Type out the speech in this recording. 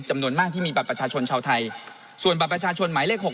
จำนวนมากที่มีบัตรประชาชนชาวไทยส่วนบัตรประชาชนหมายเลข๖